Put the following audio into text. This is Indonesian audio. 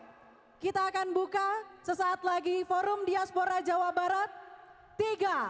oke kita akan buka sesaat lagi forum diaspora jawa barat tiga